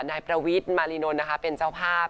นายประวิทย์มารินลเป็นเจ้าภาพ